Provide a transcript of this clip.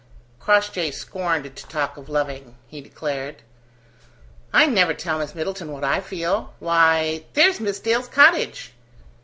Crossjay scorned to talk of loving, he declared. "I never tell Miss Middleton what I feel. Why, there's Miss Dale's cottage!"